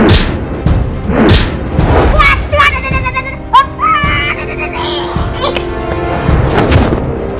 untuk jual terima kasih